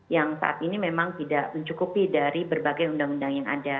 yang saat ini memang tidak mencukupi dari berbagai undang undang yang ada